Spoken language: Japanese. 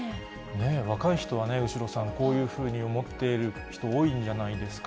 若い人は後呂さん、こういうふうに思っている人、多いんじゃないですか。